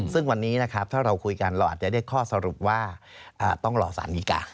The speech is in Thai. ซึ่งวันนี้นะครับถ้าเราคุยกันเราอาจจะได้ข้อสรุปว่าต้องรอสารดีการ